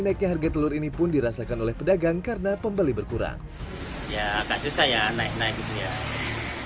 naiknya harga telur ini pun dirasakan oleh pedagang karena pembeli berkurang ya agak susah ya naik naik